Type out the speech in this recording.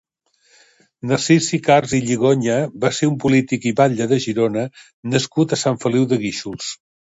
Narcís Sicars i Lligoña va ser un polític i batlle de Girona nascut a Sant Feliu de Guíxols.